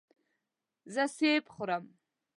زه سیب خورم.